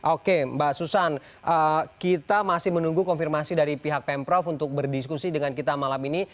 oke mbak susan kita masih menunggu konfirmasi dari pihak pemprov untuk berdiskusi dengan kita malam ini